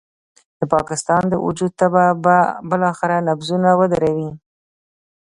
د پاکستان د وجود تبه به بالاخره نبضونه ودروي.